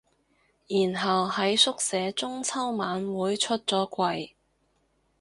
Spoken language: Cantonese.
然後喺宿舍中秋晚會出咗櫃